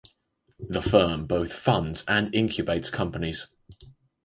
The firm both funds and incubates companies.